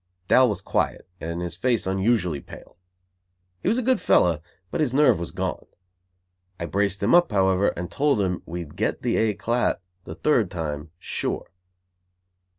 Dal was quiet, and his face unusually pale. He was a good fellow, but his nerve was gone. I braced him up, however, and told him we'd get the "éclat" the third time, sure.